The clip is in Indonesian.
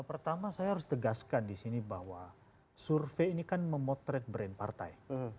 pertama saya harus tegaskan di sini bahwa survei ini kan memotret brand partai